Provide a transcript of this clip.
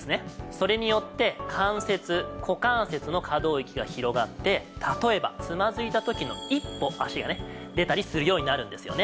それによって関節股関節の可動域が広がって例えばつまずいた時の一歩足がね出たりするようになるんですよね。